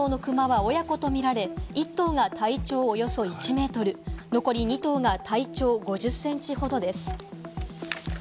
３頭のクマは親子とみられ、１頭が体長およそ１メートル、残り２頭が体長５０センチほどです。